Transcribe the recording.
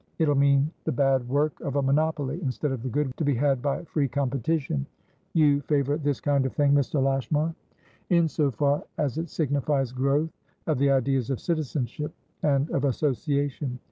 It'll mean the bad work of a monopoly, instead of the good to be had by free competition. You favour this kind of thing, Mr. Lashmar?" "In so far as it signifies growth of the ideas of citizenship, and of association.